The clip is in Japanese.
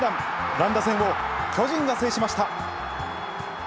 乱打戦を巨人が制しました。